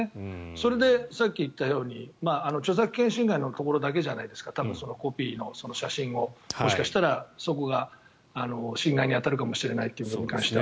それでさっき言ったように著作権法侵害のところだけじゃないですか多分、コピーの写真がもしかしたらそこが侵害に当たるかもしれないということに関しては。